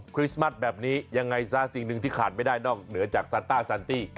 คริสต์มัสแบบนี้ยังไงซะสิ่งหนึ่งที่ขาดไม่ได้นอกเหนือจากซานต้าซันตี้